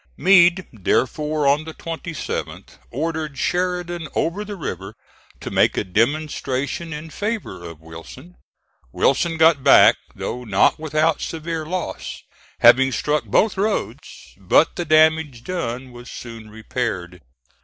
Meade therefore, on the 27th, ordered Sheridan over the river to make a demonstration in favor of Wilson. Wilson got back, though not without severe loss, having struck both roads, but the damage done was soon repaired.